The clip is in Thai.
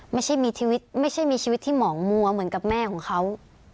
ไม่ใช่มีชีวิตที่หมองมัวเหมือนกับแม่ของเขา